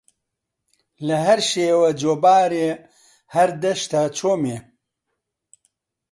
لە هەر شیوە جۆبارێ هەر دەشتە چۆمێ